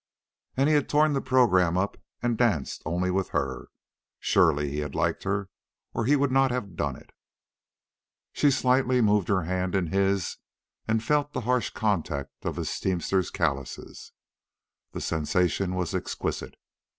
And he had torn the program up and danced only with her. Surely he had liked her, or he would not have done it. She slightly moved her hand in his and felt the harsh contact of his teamster callouses. The sensation was exquisite.